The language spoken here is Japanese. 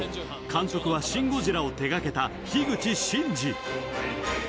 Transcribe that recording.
監督は「シン・ゴジラ」を手がけた樋口真嗣。